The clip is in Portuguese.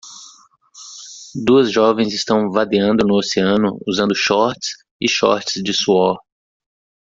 Duas jovens estão vadeando no oceano usando shorts e shorts de suor.